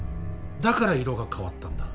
だから色が変わったんだ。